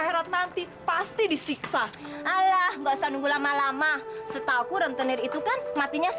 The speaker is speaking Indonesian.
sampai jumpa di video selanjutnya